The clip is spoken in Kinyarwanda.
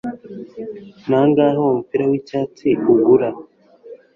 Nangahe uwo mupira wicyatsi ugura